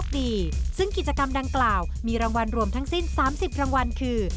ซึ่งกิจกรรมดังกล่าวมีรางวัลรวมทั้งสิ้น๓๐รางวัลคือ